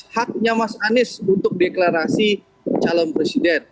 haknya mas anies untuk deklarasi calon presiden